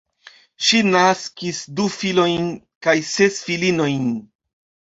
Ŝi naskis du filojn kaj ses filinojn.